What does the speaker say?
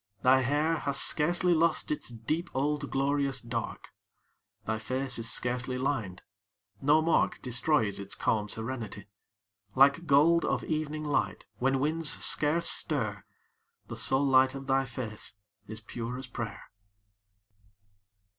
Thy hair Hast scarcely lost its deep old glorious dark: Thy face is scarcely lined. No mark Destroys its calm serenity. Like gold Of evening light, when winds scarce stir, The soul light of thy face is pure as prayer.